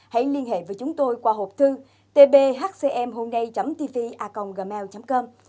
hãy liên hệ với chúng tôi qua hộp thư tbhcmhôm nay tvaconggmail com